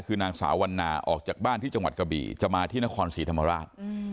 คือนางสาววันนาออกจากบ้านที่จังหวัดกะบี่จะมาที่นครศรีธรรมราช